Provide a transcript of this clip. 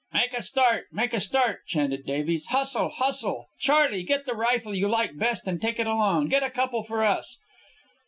"Make a start make a start," chanted Davies. "Hustle! Hustle! Charley, get the rifle you like best and take it along. Get a couple for us."